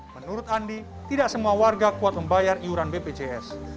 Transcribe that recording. menurut andi tidak semua warga kuat membayar iuran bpjs